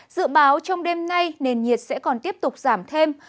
dự báo trong đêm nay nền nhiệt sẽ còn tiếp tục giảm thêm